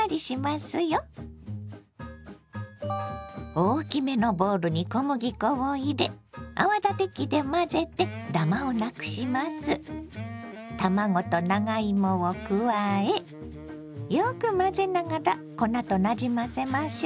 大きめのボウルに小麦粉を入れ卵と長芋を加えよく混ぜながら粉となじませましょ。